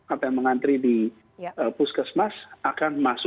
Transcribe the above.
atau yang mengantri di puskesmas akan masuk